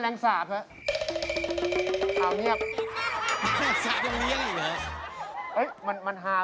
แต่เราพูดมีเก่มมากรีสรร่างมีเก่ง